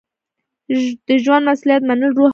د ژوند مسؤلیت منل روح بیداروي.